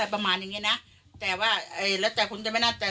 ประมาณอย่างเงี้ยนะแต่ว่าเอ่ยแล้วแต่คุณจะไม่น่าแต่